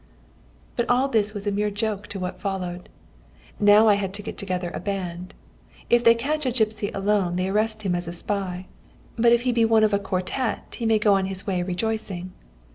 "But all this was a mere joke to what followed. I now had to get together a band. If they catch a gipsy alone they arrest him as a spy; but if he be one of a quartet he may go on his way rejoicing.